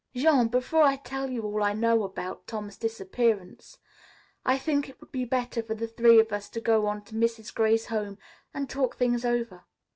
"Jean, before I tell you all I know about Tom's disappearance, I think it would be better for the three of us to go on to Mrs. Gray's home and talk things over.